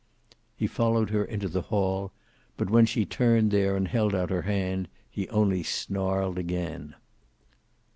He followed her into the hail, but when she turned there and held out her hand, he only snarled again.